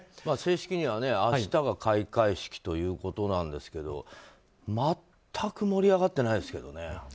正式には明日が開会式ということですが全く盛り上がってないですけどね。